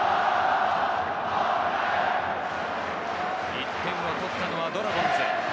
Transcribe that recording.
１点を取ったのはドラゴンズ。